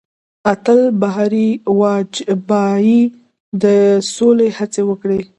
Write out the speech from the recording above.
اتل بهاري واجپايي د سولې هڅې وکړې.